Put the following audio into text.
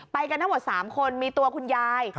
ไปกันเท่าว่า๓คนมีตัวคุณยาย